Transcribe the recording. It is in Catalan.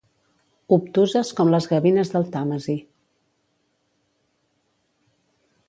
Obtuses com les gavines del Tàmesi.